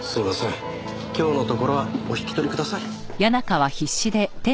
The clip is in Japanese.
今日のところはお引き取りください。